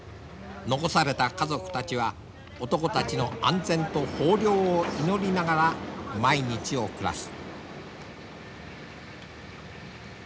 残された家族たちは男たちの安全と豊漁を祈りながら毎日を暮らす。